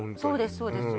そうです